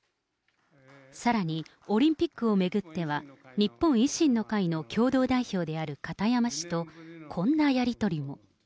さらにオリンピックを巡っては、日本維新の会の共同代表である片山氏とこんなやり取りも。